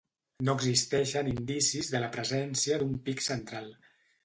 No existeixen indicis de la presència d'un pic central.